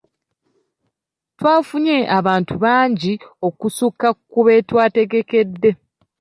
Twafunye abantu bangi okusukka ku be twategekedde.